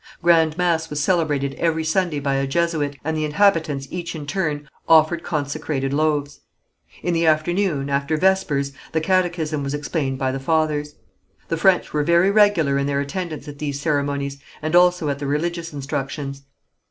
Grand mass was celebrated every Sunday by a Jesuit, and the inhabitants each in turn offered consecrated loaves. In the afternoon, after vespers, the catechism was explained by the fathers. The French were very regular in their attendance at these ceremonies, and also at the religious instructions.